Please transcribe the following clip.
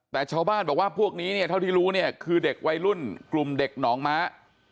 แต่ชาวบ้านบอกว่าพวกนี้เนี่ยเท่าที่รู้เนี่ยคือเด็กวัยรุ่นกลุ่มเด็กหนองม้า